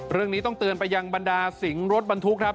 เรื่องนี้ต้องเตือนไปยังบรรดาสิงรถบรรทุกครับ